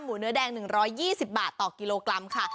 เนื้อแดง๑๒๐บาทต่อกิโลกรัมค่ะ